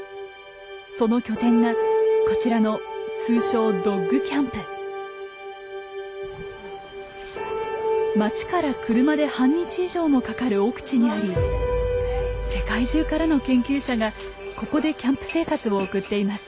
その拠点がこちらの通称町から車で半日以上もかかる奥地にあり世界中からの研究者がここでキャンプ生活を送っています。